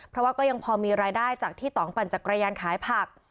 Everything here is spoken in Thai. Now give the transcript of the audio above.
เพราะว่าก็ยังพอมีรายได้จากที่ต่องปั่นจักรยานขายผัก